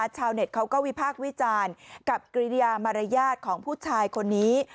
ชาวเน็ตเขาก็วิพากษ์วิจารณ์กับกิริยามารยาทของผู้ชายคนนี้